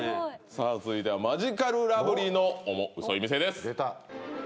さあ続いてはマヂカルラブリーのオモウソい店です。